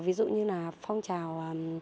ví dụ như là phong trào